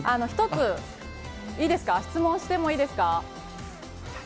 １つ、いいですか、質問してもいいですか。